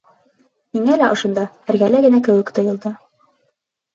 Миңә лә ошонда, эргәлә генә кеүек тойолдо.